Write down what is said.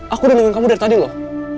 aku udah dengerin kamu dari tadi loh